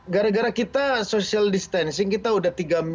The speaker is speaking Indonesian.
gara gara kita social distancing kita udah tiga